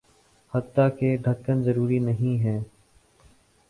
حتٰیکہ ڈھکن ضروری نہیں ہیں